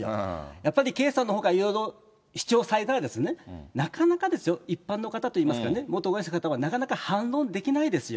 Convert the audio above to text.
やっぱり圭さんのほうがいろいろ主張されたら、なかなかですよ、一般の方といいますかね、元婚約者の方はなかなか反論できないですよ。